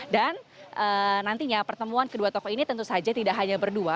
dan nantinya pertemuan kedua tokoh ini tentu saja tidak hanya berdua